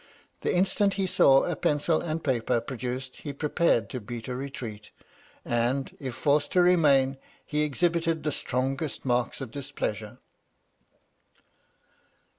The instant he saw a pencil and paper produced he prepared to beat a retreat; and, if forced to remain, he exhibited the strongest marks of displeasure."